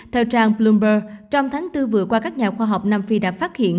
theo trang bloomber trong tháng bốn vừa qua các nhà khoa học nam phi đã phát hiện